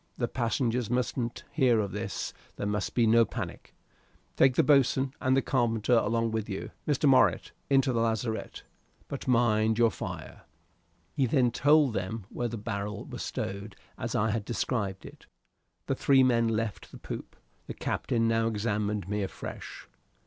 The passengers mustn't hear of this: there must be no panic. Take the boatswain and carpenter along with you, Mr. Morritt, into the lazarette. But mind your fire." And he then told them where the barrel was stowed as I had described it. The three men left the poop. The captain now examined me afresh.